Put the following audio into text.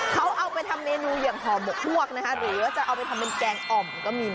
เขาเอาไปทำเมนูอย่างหอมกฮวกนะหรือว่าจะเอาไปทำด้วยแกงอ่อมก็มีเหมือนกัน